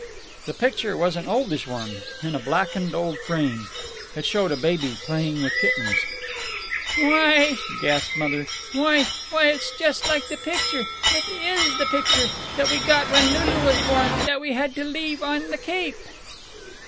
The picture was an oldish one, in a blackened old frame. It showed a baby playing with kittens. "Why!" gasped Mother "why why, it's just like the picture it is the picture that we got when Lulu was born that we had to leave on the Cape."